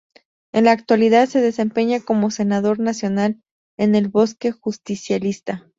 En la actualidad se desempeña como senador nacional en el bloque Justicialista.